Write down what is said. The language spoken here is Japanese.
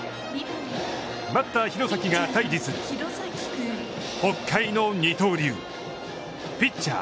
バッター廣崎が対峙する北海の二刀流ピッチャー